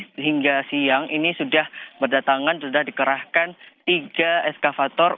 tadi pagi hingga siang ini sudah berdatangan sudah dikerahkan tiga eskapator